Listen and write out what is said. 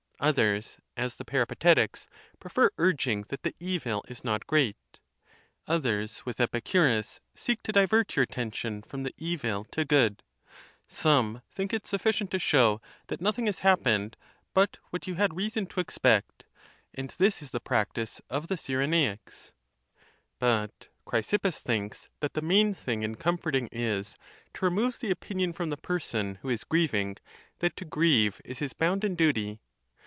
Oth ers, as the Peripatetics, prefer urging that the evil is not great. Others, with Epicurus, seek to divert your atten tion from the evil to good: some think it sufficient to show that nothing has happened but what you had reason to expect ; and this is the practice of the Cyrenaics. But Chrysippus thinks that the main thing in comforting is, to.remove the opinion from the person who is grieving, that to grieve is his bounden duty.